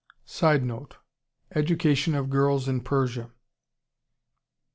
[Sidenote: Education of girls in Persia.